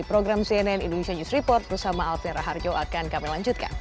program cnn indonesia news report bersama alvira harjo akan kami lanjutkan